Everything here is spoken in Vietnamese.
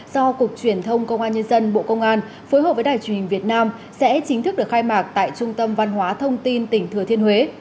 do cục truyền thông công an nhân dân bộ công an phối hợp với đài truyền hình việt nam sẽ chính thức được khai mạc tại trung tâm văn hóa thông tin tỉnh thừa thiên huế